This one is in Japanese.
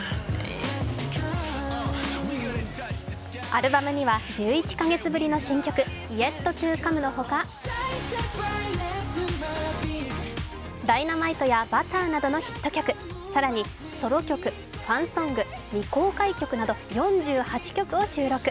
アルバムには１１カ月ぶりの新曲「ＹｅｔＴｏＣｏｍｅ」のほか、「Ｄｙｎａｍｉｔｅ」や「Ｂｕｔｔｅｒ」などのヒット曲、更にソロ曲、ファンソング、未公開曲など４８曲を収録。